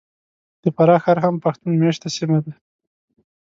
د فراه ښار هم پښتون مېشته سیمه ده .